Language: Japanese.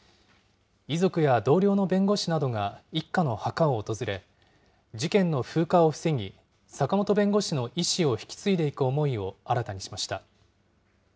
遺族や同僚の弁護士などが一家の墓を訪れ、事件の風化を防ぎ、坂本弁護士の遺志を引き継いでいく思いを新たにしました。